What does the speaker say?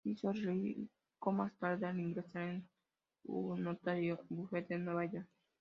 Se hizo rico más tarde al ingresar en un notorio bufete de Nueva York.